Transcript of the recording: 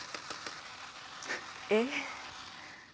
えっ？